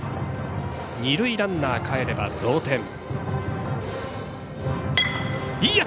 二塁ランナーかえれば同点。